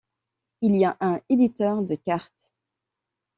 Il y a un éditeur de carte.